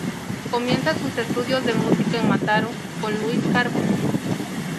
Comienza sus estudios de música en Mataró, con Lluís Carbó.